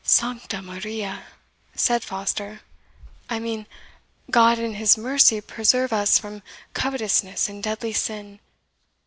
"SANCTA MARIA!" said Foster "I mean, God in His mercy preserve us from covetousness and deadly sin!